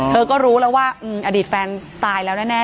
เธอก็รู้แล้วว่าอดีตแฟนตายแล้วแน่